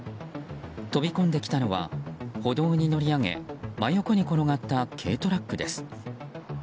飛び込んできたのは歩道に乗り上げ真横に転がった軽トラックです。